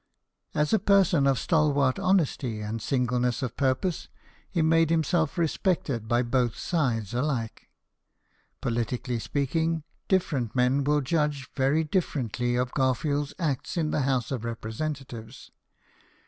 As a person of stalwart honesty and singleness of purpose, he made himself respected by both sides alike. Politically speaking, different men will judge very differently of Garfield's acts in the House of Representatives.